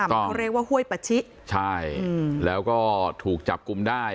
มันเขาเรียกว่าห้วยปะชิใช่แล้วก็ถูกจับกลุ่มได้